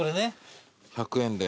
１００円で。